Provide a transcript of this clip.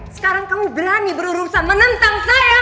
sekarang kamu berani berurusan menentang saya